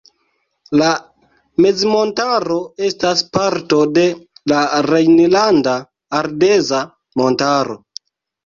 La mezmontaro estas parto de la Rejnlanda Ardeza montaro.